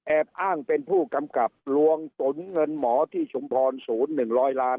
แอบอ้างเป็นผู้กำกับลวงตุ๋นเงินหมอที่ชุมพรศูนย์หนึ่งร้อยล้าน